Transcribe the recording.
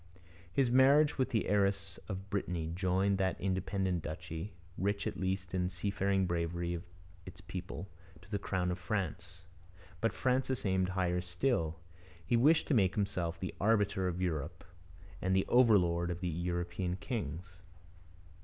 His marriage with the heiress of Brittany joined that independent duchy, rich at least in the seafaring bravery of its people, to the crown of France. But Francis aimed higher still. He wished to make himself the arbiter of Europe and the over lord of the European kings.